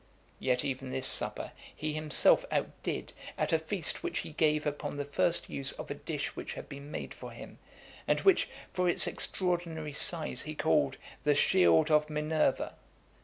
Yet even this supper he himself outdid, at a feast which he gave upon the first use of a dish which had been made for him, and which, for its extraordinary size, he called "The Shield of Minerva."